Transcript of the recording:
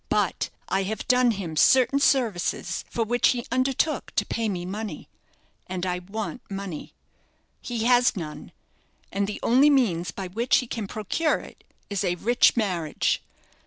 "But I have done him certain services for which he undertook to pay me money, and I want money. He has none, and the only means by which he can procure it is a rich marriage.